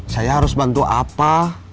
saya harus bantu apa